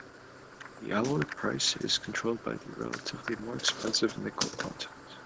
The alloy price is controlled by the relatively more-expensive nickel content.